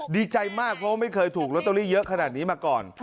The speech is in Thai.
ดีใจมากเพราะว่าไม่เคยถูกแล้วตัวนี้เยอะขนาดนี้มาก่อน